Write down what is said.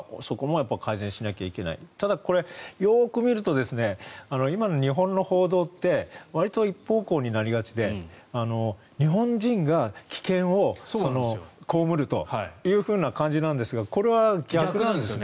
ただ、これはよく見ると今の日本の報道ってわりと１方向になりがちで日本人が危険を被るというふうな感じなんですがこれは逆なんですよね。